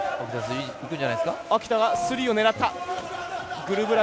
秋田がスリーを狙った。